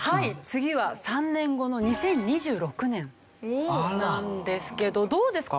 次は３年後の２０２６年なんですけどどうですか？